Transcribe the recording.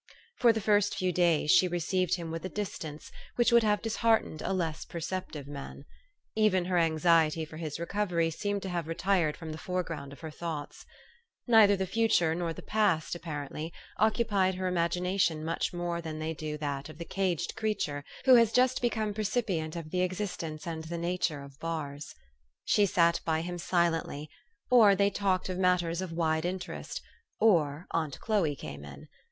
For the first few days she received him with a distance which would have disheartened a less per ceptive man. Even her anxiety for his recovery seemed to have retired from the foreground of her thoughts. Neither the future nor the past, appar ently, occupied her imagination much more than they do that of the caged creature who has just become percipient of the existence and the nature of bars. She sat by him silently, or they talked of matters of wide interest, or aunt Chloe came in.